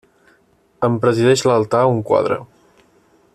En presideix l'altar un quadre.